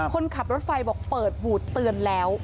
คนขับรถไฟบอกเปิดวูดเตือนแล้ว